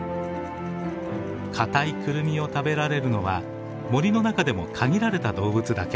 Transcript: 固いクルミを食べられるのは森の中でも限られた動物だけ。